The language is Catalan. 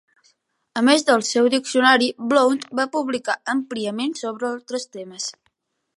A més del seu diccionari, Blount va publicar àmpliament sobre altres temes.